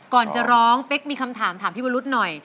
ก่อนจะร้องเป๊กมีคำถามถามพี่วรุษหน่อย